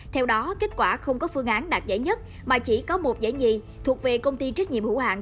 phương án đạt giải nhất mà chỉ có một giải nhì thuộc về công ty trách nhiệm hữu hạng